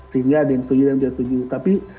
sehingga ada yang setuju dan tidak setuju tapi